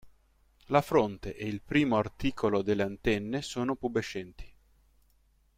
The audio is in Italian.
La fronte e il primo articolo delle antenne sono pubescenti.